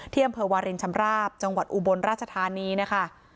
อำเภอวารินชำราบจังหวัดอุบลราชธานีนะคะ